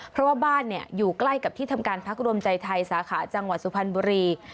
เพราะว่าบ้านอยู่ใกล้กับที่ทำการพักรวมใจไทยสาขาจังหวัดสุพรรณบุรี